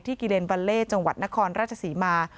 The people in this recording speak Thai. ที่กิเลนด์เบาเร่จังหวัดนครราชศรีมา